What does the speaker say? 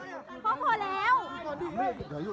เพราะพอแล้ว